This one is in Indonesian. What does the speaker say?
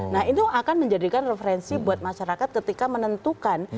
nah itu akan menjadikan referensi buat masyarakat ketika menentukan